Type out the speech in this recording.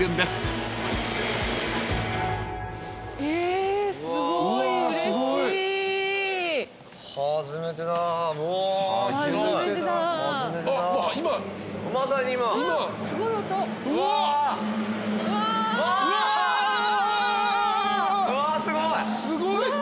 すごい。